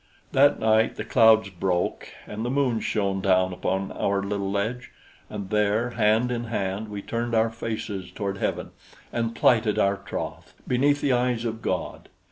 That night the clouds broke, and the moon shone down upon our little ledge; and there, hand in hand, we turned our faces toward heaven and plighted our troth beneath the eyes of God.